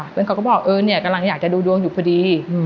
เพื่อนเขาก็บอกกำลังอยากจะดูดวงอยู่พอดี